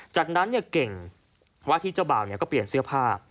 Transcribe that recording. จากนั้นเก่งว่าที่เจ้าบ่าวก็เปลี่ยนเสื้อผ้า